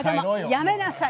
やめなさい。